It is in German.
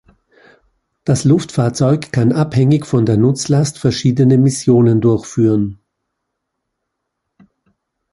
Das Luftfahrzeug kann abhängig von der Nutzlast verschiedene Missionen durchführen.